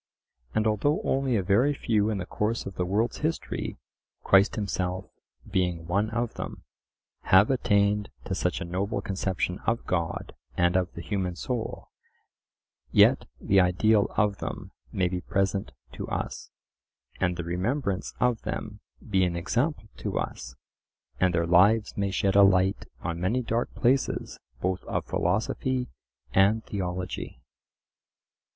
And although only a very few in the course of the world's history—Christ himself being one of them—have attained to such a noble conception of God and of the human soul, yet the ideal of them may be present to us, and the remembrance of them be an example to us, and their lives may shed a light on many dark places both of philosophy and theology.